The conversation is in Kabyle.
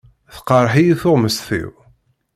Teqreḥ-iyi tuɣmest-iw.